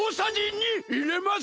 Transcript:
２いれます